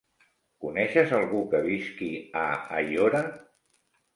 Coneixes algú que visqui a Aiora?